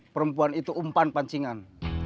perempuan itu umpan pancingan